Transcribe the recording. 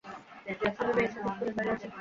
আমি মেয়ের সাথে স্কুলের বাইরে আছি।